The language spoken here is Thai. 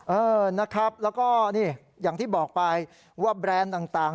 เออนะครับแล้วก็นี่อย่างที่บอกไปว่าแบรนด์ต่าง